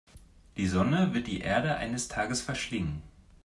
Die Sonne wird die Erde eines Tages verschlingen.